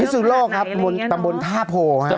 พิศนุโลกนะครับบนท่าโพง